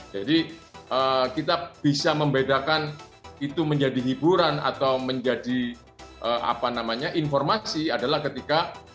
jadi kita bisa membedakan itu menjadi hiburan atau menjadi informasi adalah ketika